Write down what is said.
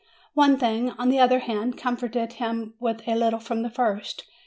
One thing, on the other hand, comforted him a little from the first.